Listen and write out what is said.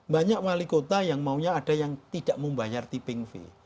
banyak wali kota yang maunya ada yang tidak membayar tiping fee